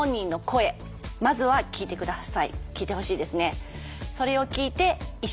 聞いてほしいですね。